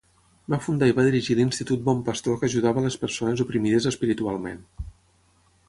Va fundar i va dirigir l'Institut Bon Pastor que ajudava a les persones oprimides espiritualment.